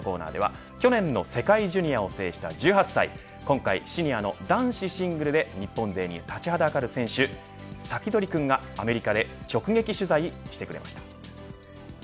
アツリートのコーナーでは去年の世界ジュニアを制した１８歳今回シニアの男子シングルで日本勢に立ちはだかる選手にサキドリくんがアメリカで直撃取材してくれました。